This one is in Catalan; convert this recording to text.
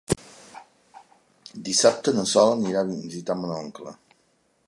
Dissabte na Sol anirà a visitar mon oncle.